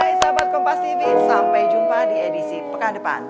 bye sahabat kompastv sampai jumpa di edisi pekan depan